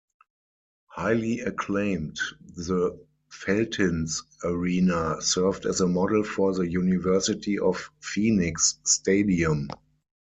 Highly acclaimed, the Veltins-Arena served as a model for the University of Phoenix Stadium.